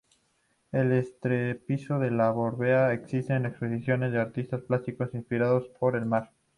El entrepiso que lo bordea ofrece exposiciones de artistas plásticos inspirados por el mar.